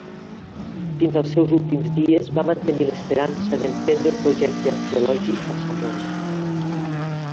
Fins als seus últims dies va mantenir l'esperança d'emprendre un projecte arqueològic a Samoa.